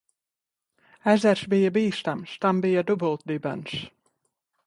Ezers bija bīstams. Tam bija dubultdibens.